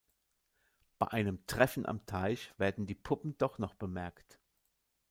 Bei einem Treffen am Teich werden die Puppen doch noch bemerkt.